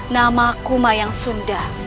namaku mayang sunda